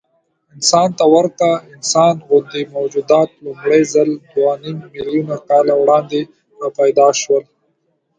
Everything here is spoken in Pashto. انسان ته ورته موجودات لومړی ځل دوهنیممیلیونه کاله وړاندې راپیدا شول.